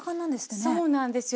そうなんですよ。